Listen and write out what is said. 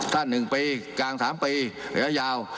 ถ้า๑ปีกลาง๓ปีระยะยาว